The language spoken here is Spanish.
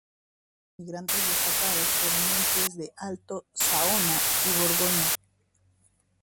Hay otros migrantes destacados provenientes de Alto Saona y Borgoña.